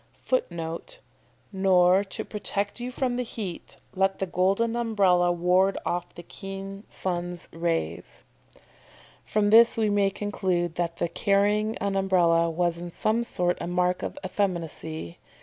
[Footnote: "Nor to protect you from the heat, let the golden umbrella ward off the keen sun's rays."] From this we may conclude that the carrying an Umbrella was in some sort a mark of effeminacy.